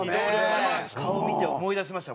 顔を見て思い出しました。